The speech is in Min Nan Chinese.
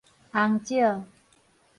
紅石